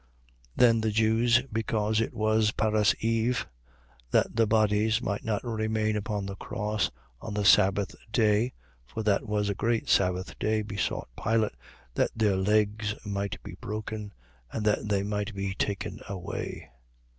19:31. Then the Jews (because it was the parasceve), that the bodies might not remain upon the cross on the sabbath day (for that was a great sabbath day), besought Pilate that their legs might be broken: and that they might be taken away.